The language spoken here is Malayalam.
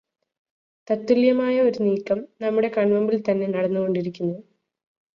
തത്തുല്യമായ ഒരു നീക്കം നമ്മുടെ കൺമുമ്പിൽത്തന്നെ നടന്നുകൊണ്ടിരിക്കുന്നു.